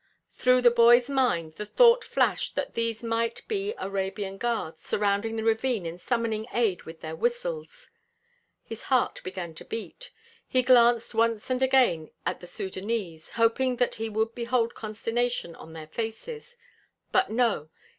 Through the boy's mind the thought flashed that these might be Arabian guards surrounding the ravine and summoning aid with whistles. His heart began to beat. He glanced once and again at the Sudânese, hoping that he would behold consternation on their faces; but no!